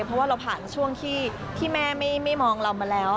เพราะว่าเราผ่านช่วงที่แม่ไม่มองเรามาแล้ว